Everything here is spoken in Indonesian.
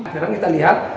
sekarang kita lihat